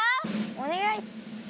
おねがい。